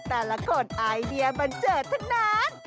แต่ละคนไอเดียบันเจิดทั้งนั้น